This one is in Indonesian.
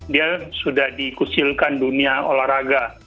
dia sudah dikusilkan dunia olahraga